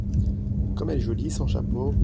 Comme elle est jolie sans chapeau !